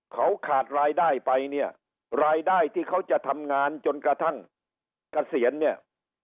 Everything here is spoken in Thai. เขาขาดรายได้ไปเนี่ยรายได้ที่เขาจะทำงานจนกระทั่งเกษียณเนี่ย